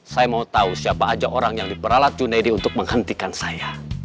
saya mau tahu siapa aja orang yang diperalat junaidi untuk menghentikan saya